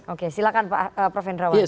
oke silahkan prof hendrawan